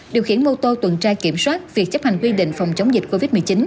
điều khiển mô tô tuần tra kiểm soát việc chấp hành quy định phòng chống dịch covid một mươi chín